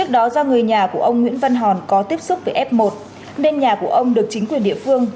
trước đó do người nhà của ông nguyễn văn hòn có tiếp xúc với f một nên nhà của ông được chính quyền địa phương